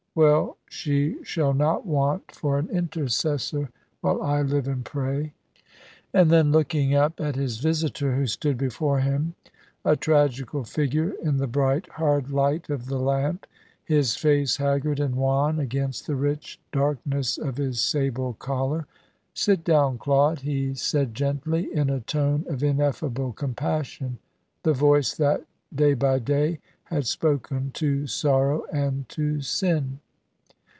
Well, she shall not want for an intercessor while I live and pray." And then, looking up at his visitor, who stood before him, a tragical figure in the bright, hard light of the lamp, his face haggard and wan against the rich darkness of his sable collar: "Sit down, Claude," he said gently, in a tone of ineffable compassion, the voice that day by day had spoken to sorrow and to sin.